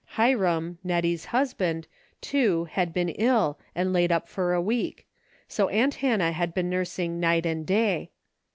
Hiram, Net tie's husband, too, had been ill and laid up for a week, so aunt Hannah had been nursing night and day.